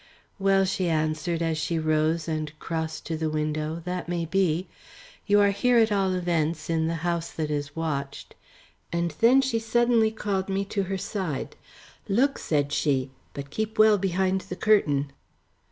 "Well," she answered as she rose and crossed to the window "that may be. You are here at all events, in the house that is watched" and then she suddenly called me to her side. "Look," said she, "but keep well behind the curtain."